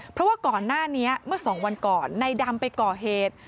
เพราะว่าก่อนหน้านี้เมื่อสองวันก่อนในดำไปก่อเหตุ